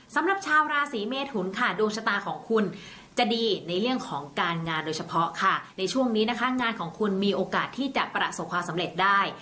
สำหรับชาวราศีเมทุนค่ะดวงชะตาของคุณจะดีในเรื่องของการงานโดยเฉพาะค่ะในช่วงนี้นะคะงานของคุณมีโอกาสที่จะประสบความสำเร็จได้